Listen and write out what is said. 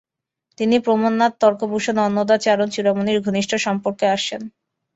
তিনি প্রমথনাথ তর্কভূষণ ও অন্নদাচরণ চূড়ামণির ঘনিষ্ঠ সংস্পর্শে আসেন।